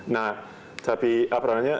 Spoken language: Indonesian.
nah tapi apa namanya